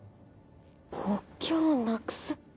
国境をなくす？